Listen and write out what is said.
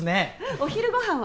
お昼ご飯は？